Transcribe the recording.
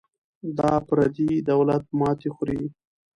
دا پردی دولت ماتې خوري.